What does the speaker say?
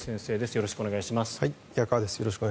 よろしくお願いします。